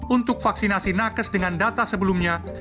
untuk vaksinasi nakes dengan data sebelumnya